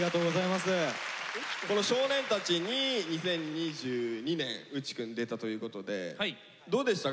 この「少年たち」に２０２２年内くん出たということでどうでしたか？